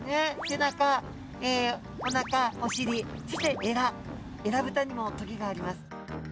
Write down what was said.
背中おなかおしりそしてえらえらぶたにもトゲがあります。